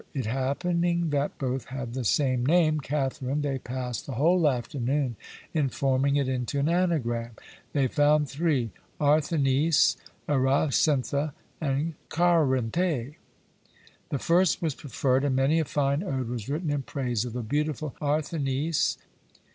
It happening that both had the same name, Catherine, they passed the whole afternoon in forming it into an anagram. They found three: Arthenice, Eracinthe, and Charinté. The first was preferred, and many a fine ode was written in praise of the beautiful Arthenice!